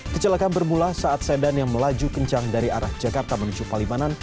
kecelakaan bermula saat sedan yang melaju kencang dari arah jakarta menuju palimanan